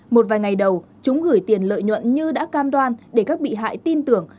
một vài ngày đầu chúng gửi tiền lợi nhuận như đã cam đoan để các bị hại tin tưởng